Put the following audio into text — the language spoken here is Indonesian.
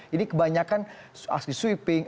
ini kebanyakan aksi sweeping